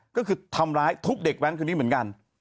ก็คือทำร้ายทุบเด็กแว้นคนนี้เหมือนกัน